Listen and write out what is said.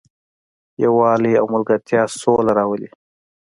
یووالی او ملګرتیا سوله راولي.